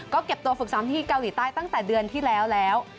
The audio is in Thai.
ก็เก็บตัวฝึกซ้อมที่เกาหลีใต้ตั้งแต่เดือนที่แล้วแล้ว